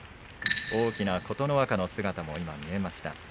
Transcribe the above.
大きな琴ノ若の姿が見えました。